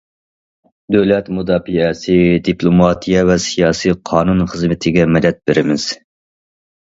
دۆلەت مۇداپىئەسى، دىپلوماتىيە ۋە سىياسىي قانۇن خىزمىتىگە مەدەت بېرىمىز.